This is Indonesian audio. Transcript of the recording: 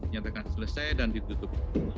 yang akan selesai dan ditutup